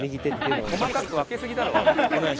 細かく分けすぎだろおい。